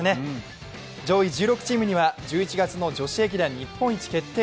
上位１６チームには１１月の女子駅伝日本一決定